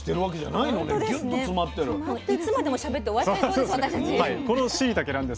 いつまでもしゃべって終わっちゃいそうです